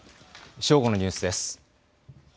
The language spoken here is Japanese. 正午のニュースです。